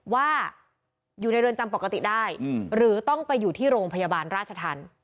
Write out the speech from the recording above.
ว่าอยู่ในเรือนจำปกติได้หรือต้องไปอยู่ที่โรงพยาบาลราชธรรม